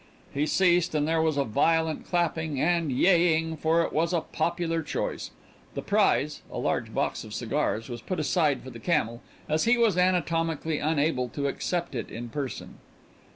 He ceased and there was a violent clapping, and yeaing, for it was a popular choice. The prize, a large box of cigars, was put aside for the camel, as he was anatomically unable to accept it in person.